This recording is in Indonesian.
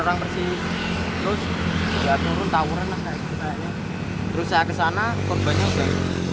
terus saya kesana korbannya udah